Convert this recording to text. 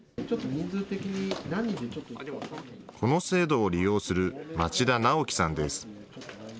この制度を利用する町田直樹さんです。